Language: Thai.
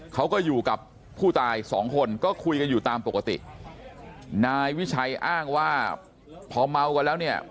เขาก็อยู่กับผู้ตายสองคนก็คุยกันอยู่ตามปกตินายวิชัยอ้างว่าพอเมากันแล้วเนี่ย